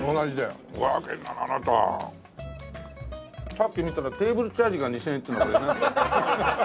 さっき見たらテーブルチャージが２０００円っていうので。